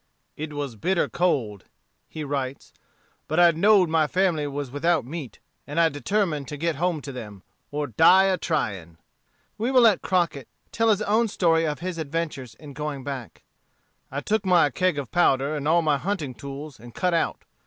"It was bitter cold," he writes, "but I know'd my family was without meat, and I determined to get home to them, or die a trying." We will let Crockett tell his own story of his adventures in going back: "I took my keg of powder and all my hunting tools and cut out.